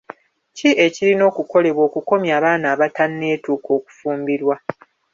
Ki ekirina okukolebwa okukomya abaana abatenneetuuka okufumbirwa?